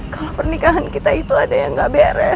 kalau pernikahan kita itu ada yang gak beres